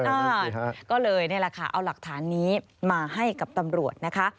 อ่าก็เลยนี่แหละค่ะเอาหลักฐานนี้มาให้กับตำรวจนะคะ